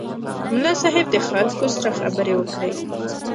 ملا صیب د خلکو سره خبرې وکړې.